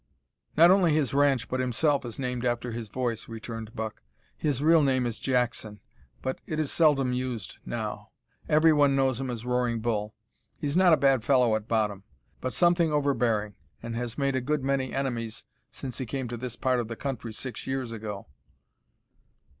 "Not only his ranch but himself is named after his voice," returned Buck. "His real name is Jackson, but it is seldom used now. Every one knows him as Roaring Bull. He's not a bad fellow at bottom, but something overbearing, and has made a good many enemies since he came to this part of the country six years ago."